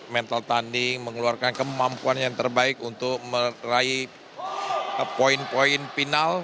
mental tanding mengeluarkan kemampuan yang terbaik untuk meraih poin poin final